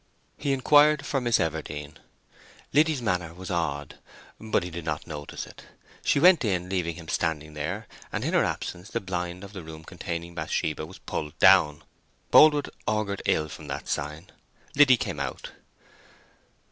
He inquired for Miss Everdene. Liddy's manner was odd, but he did not notice it. She went in, leaving him standing there, and in her absence the blind of the room containing Bathsheba was pulled down. Boldwood augured ill from that sign. Liddy came out.